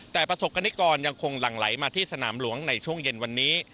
แต่ประสบกรณิกรยังคงหลั่งไหลมาที่สนามหลวงในช่วงเย็นวันนี้